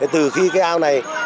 từ khi cái ao này